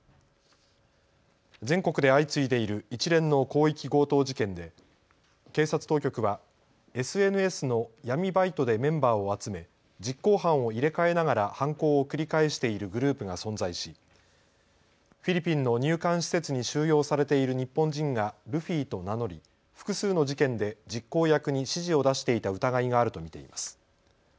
全国で相次いでいる一連の広域強盗事件で警察当局はＳＮＳの闇バイトでメンバーを集め、実行犯を入れ替えながら犯行を繰り返しているグループが存在しフィリピンの入管施設に収容されている日本人がルフィと名乗り複数の事件で実行役に指示を出していた疑いがあると見ています。